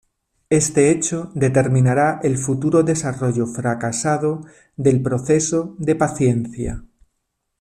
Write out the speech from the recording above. Este hecho determinará el futuro desarrollo fracasado del proceso de paciencia.